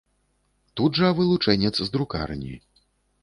Тут жа вылучэнец з друкарні.